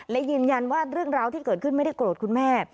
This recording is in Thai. และยืนยันว่าเรื่องราวที่เกิดขึ้นไม่ได้โกรธคุณแม่